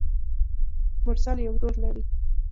مرسل يو ورور لري.